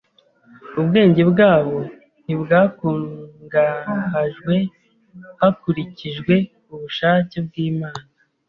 Ubwenge bwabo ntibwakungahajwe hakurikijwe ubushake bw’Imana;